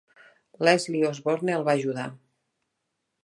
Leslie Osborne el va ajudar.